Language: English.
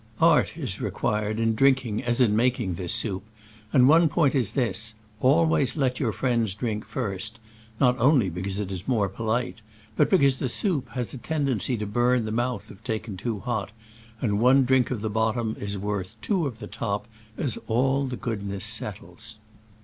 Art is required in drinking as in making this soup, and one point is this : always let your friends drink first ; Digitized by Google SCRAMBLES AMONGST THE ALPS IN i86o '69. not only because it is more polite, but because the soup has a tendency to bum the mouth if taken too hot, and one drink of the bottom is worth two of the top, as all the goodness settles.